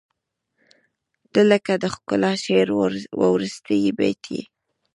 • ته لکه د ښکلي شعر وروستی بیت یې.